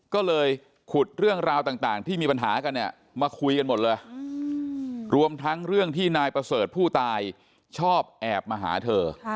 ก็เลยขุดเรื่องราวต่างที่มีปัญหากันเนี่ยมาคุยกันหมดเลยรวมทั้งเรื่องที่นายประเสริฐผู้ตายชอบแอบมาหาเธอ